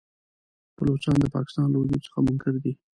بلوڅان د پاکستان له وجود څخه منکر دي.